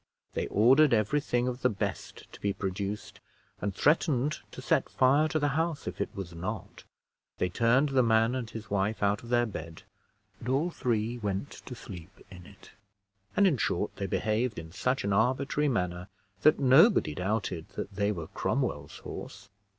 They ordered every thing of the best to be produced, and threatened to set fire to the house if it was not; they turned the man and his wife out of their bed, and all three went to sleep in it; and, in short, they behaved in such an arbitrary manner, that nobody doubted that they were Cromwell's horse.